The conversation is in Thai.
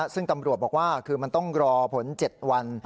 ซึ่งตำรวจบอกว่าคือมันต้องรอผล๗วัน